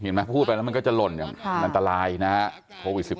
เห็นมั้ยพูดไปแล้วมันก็จะหล่นมันอันตรายนะครับ